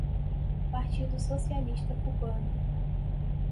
Partido Socialista cubano